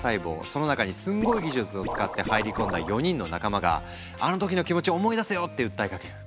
その中にすんごい技術を使って入り込んだ４人の仲間があの時の気持ち思い出せよって訴えかける。